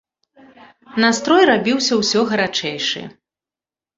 Настрой рабіўся ўсё гарачэйшы.